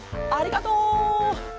ありがとう！